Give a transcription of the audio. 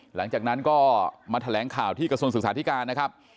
หลังจากนั้นก็มาแถลงข่าวที่กระทรวงศึกษาธิการนะครับ